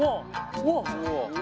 うわっ！